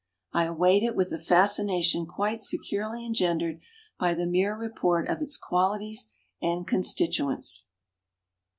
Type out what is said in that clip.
I await it with a fascination quite se curely engendered by the mere report of its qualities and constituents.